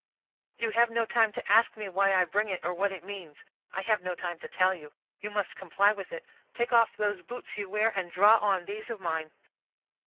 "You have no time to ask me why I bring it, or what it means; I have no time to tell you. You must comply with it take off those boots you wear, and draw on these of mine."